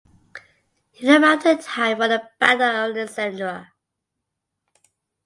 He arrived in time for the battle of Alexandria.